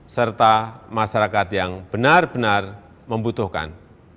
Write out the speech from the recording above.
serta masyarakat yang benar benar membutuhkan